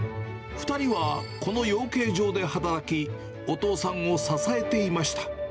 ２人はこの養鶏場で働き、お父さんを支えていました。